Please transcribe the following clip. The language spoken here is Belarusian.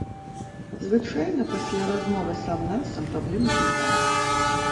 Звычайна пасля размовы сам-насам праблемы знікаюць.